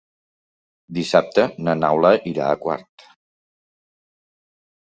Dissabte na Laura irà a Quart.